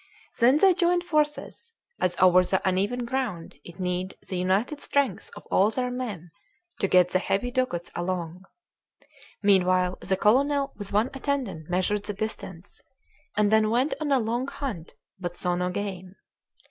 Then they joined forces, as over the uneven ground it needed the united strength of all their men to get the heavy dugouts along. Meanwhile the colonel with one attendant measured the distance, and then went on a long hunt, but saw no game.